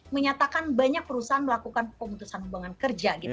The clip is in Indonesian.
menyatakan banyak perusahaan melakukan pemutusan pembangunan kerja